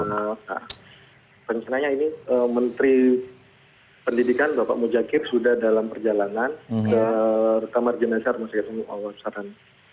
nah rencananya ini menteri pendidikan bapak mojakir sudah dalam perjalanan ke kamar jenazah masyarakat umum awam saran